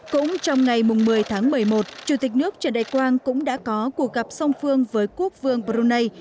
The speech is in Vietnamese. cũng trong ngày một mươi tháng một mươi một chủ tịch nước trần đại quang cũng đã có cuộc gặp song phương với quốc vương brunei